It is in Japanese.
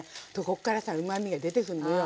こっからさうまみが出てくんのよ。